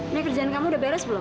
ini kerjaan kamu udah beres belum